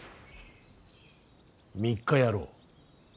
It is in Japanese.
３日やろう。